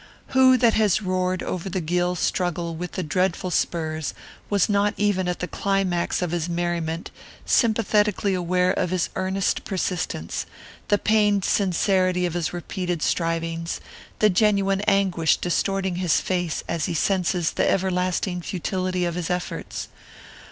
"Who that has roared over the Gill struggle with the dreadful spurs was not even at the climax of his merriment sympathetically aware of his earnest persistence, the pained sincerity of his repeated strivings, the genuine anguish distorting his face as he senses the everlasting futility of his efforts?